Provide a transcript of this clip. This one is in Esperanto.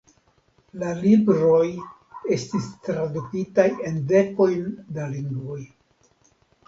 La libroj estis tradukitaj en dekojn da lingvoj.